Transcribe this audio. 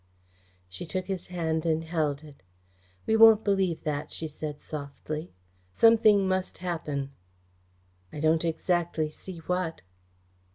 She took his hand and held it. "We won't believe that," she said softly. "Something must happen." "I don't exactly see what."